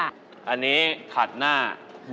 อันนี้ขัดหน้า